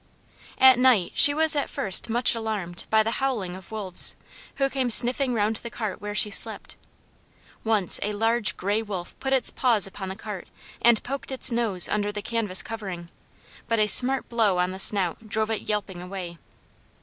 At night she was at first much alarmed by the howling of wolves, who came sniffing round the cart where she slept. Once a large grey wolf put its paws upon the cart and poked its nose under the canvas covering, but a smart blow on the snout drove it yelping away.